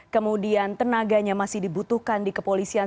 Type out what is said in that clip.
kemudian tenaganya masih dibutuhkan di kepolisian